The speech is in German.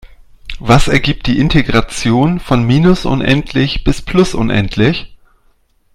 Was ergibt die Integration von minus unendlich bis plus unendlich?